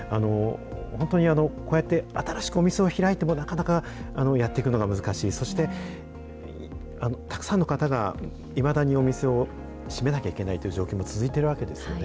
本当にこうやって新しくお店を開いても、なかなかやっていくのが難しい、そしてたくさんの方がいまだにお店を閉めなきゃいけないという状況も続いているわけですよね。